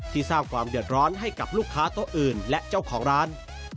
สร้างความเดือดร้อนให้กับลูกค้าโต๊ะอื่นและเจ้าของร้าน